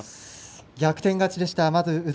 逆転勝ちでした。